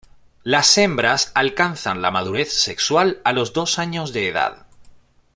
Las hembras alcanzan la madurez sexual a los dos años de edad.